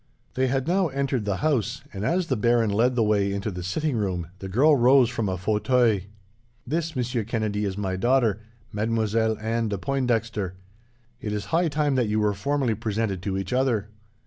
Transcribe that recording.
They had now entered the house, and, as the baron led the way into the sitting room, the girl rose from a fauteuil. "This, Monsieur Kennedy, is my daughter, Mademoiselle Anne de Pointdexter. It is high time that you were formally presented to each other.